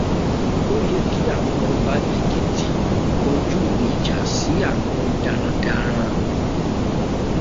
Ó ye kí àwọn Ọba Èkìtì kọjú ìjà sí àwọn darandaran.